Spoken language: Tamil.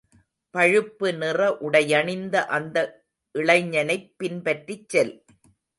பழுப்புநிற உடையணிந்த அந்த இளைஞனைப் பின்பற்றிச் செல்.